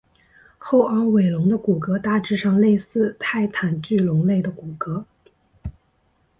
后凹尾龙的骨骸大致上类似泰坦巨龙类的骨骸。